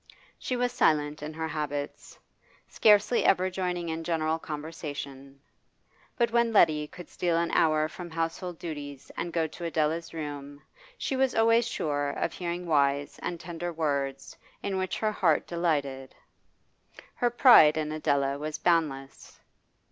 She was silent in her habits, scarcely ever joining in general conversation; but when Letty could steal an hour from household duties and go to Adela's room she was always sure of hearing wise and tender words in which her heart delighted. Her pride in Adela was boundless.